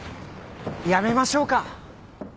やめましょうか。